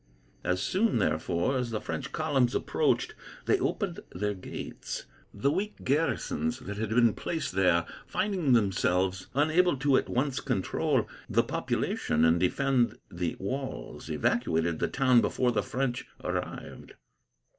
As soon, therefore, as the French columns approached, they opened their gates. The weak garrisons that had been placed there, finding themselves unable to at once control the population and defend the walls, evacuated the town before the French arrived.